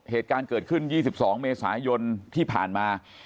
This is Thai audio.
เหตุการณ์เกิดขึ้น๒๒เมษายนที่ผ่านมา